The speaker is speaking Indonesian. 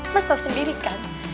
mas tau sendiri kan